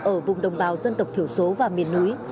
ở vùng đồng bào dân tộc thiểu số và miền núi